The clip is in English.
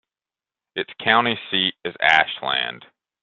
Its county seat is Ashland.